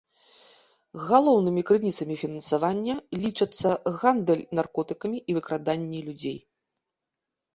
Галоўнымі крыніцамі фінансавання лічацца гандаль наркотыкамі і выкраданне людзей.